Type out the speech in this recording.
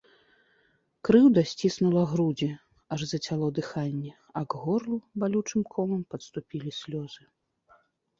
Крыўда сціснула грудзі, аж зацяло дыханне, а к горлу балючым комам падступілі слёзы.